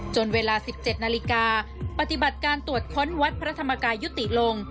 เวลา๑๗นาฬิกาปฏิบัติการตรวจค้นวัดพระธรรมกายยุติลง